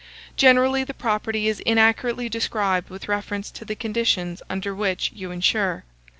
Generally the property is inaccurately described with reference to the conditions under which you insure.